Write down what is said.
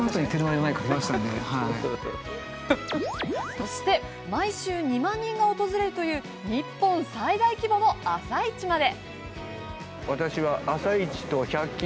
そして毎週２万人が訪れるという日本最大規模の朝市まで。